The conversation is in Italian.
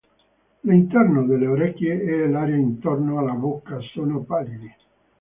L'interno delle orecchie e l'area intorno alla bocca sono pallidi.